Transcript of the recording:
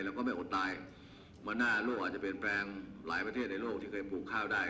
แล้วก็ไม่อดตายวันหน้าโลกอาจจะเปลี่ยนแปลงหลายประเทศในโลกที่เคยปลูกข้าวได้